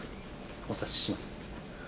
お察しします。